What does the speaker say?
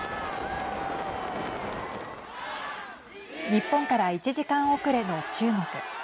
日本から１時間遅れの中国。